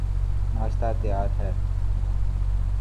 ناشتہ تیار ہے